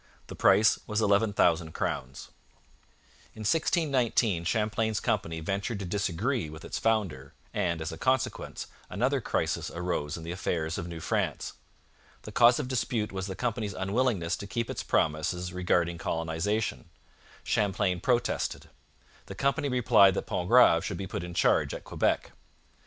The price was 11,000 crowns. In 1619 Champlain's company ventured to disagree with its founder, and, as a consequence, another crisis arose in the affairs of New France. The cause of dispute was the company's unwillingness to keep its promises regarding colonization. Champlain protested. The company replied that Pontgrave should be put in charge at Quebec.